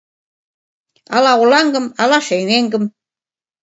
Ала олаҥгым, ала шереҥгым